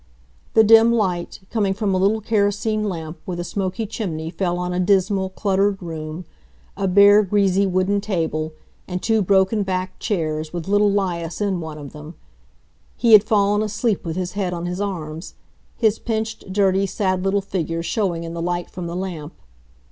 The dim light coming from a little kerosene lamp with a smoky chimney fell on a dismal, cluttered room, a bare, greasy wooden table, and two broken backed chairs, with little 'Lias in one of them. He had fallen asleep with his head on his arms, his pinched, dirty, sad little figure showing in the light from the lamp.